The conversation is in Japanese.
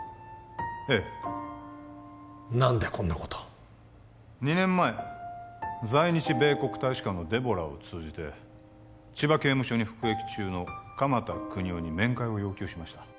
ええ何でこんなこと２年前在日米国大使館のデボラを通じて千葉刑務所に服役中の鎌田國士に面会を要求しました